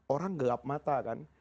orang gelap mata kan